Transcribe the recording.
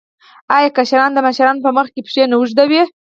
آیا کشران د مشرانو په مخ کې پښې نه اوږدوي؟